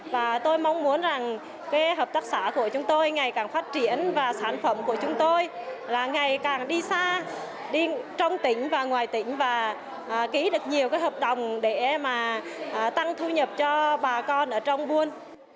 và tôi mong muốn hợp tác xã của chúng tôi ngày càng phát triển và sản phẩm của chúng tôi ngày càng đi xa đi trong tỉnh và ngoài tỉnh và ký được nhiều hợp đồng để tăng thu nhập cho bà con ở trong buôn